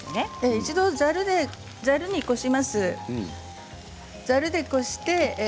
一度、ざるでこします。